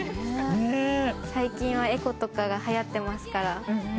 最近はエコとかが流行っていますから。